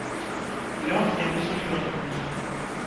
Ён вельмі сур'ёзны музыка!